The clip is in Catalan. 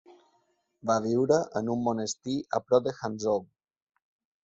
Va viure en un monestir a prop de Hangzhou.